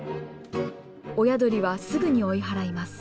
親鳥はすぐに追い払います。